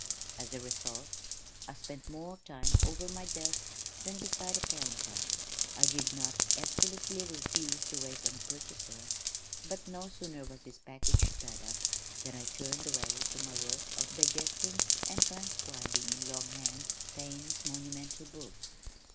As a result, I spent more time over my desk than beside the counter. I did not absolutely refuse to wait on a purchaser but no sooner was his package tied up than I turned away to my work of digesting and transcribing in long hand Taine's monumental book.